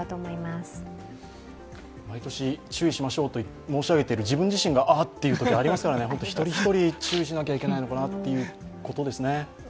毎年、注意しましょうと申し上げている自分自身がああっていうときがありますからね、一人一人注意しなきゃいけないのかなということですね。